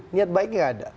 niat baiknya tidak ada